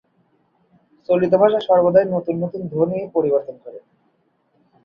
চলিত ভাষা সর্বদাই নতুন নতুন ধ্বনি-পরিবর্তন করে।